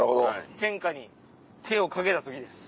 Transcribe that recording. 天下に手をかけた時です。